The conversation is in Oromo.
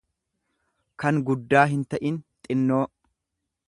kan guddaa hinta'in, xinnoo.